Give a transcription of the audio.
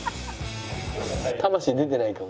魂出てないか？